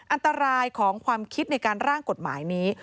อันตรายของความคิดในการร่างกฎหมายนี้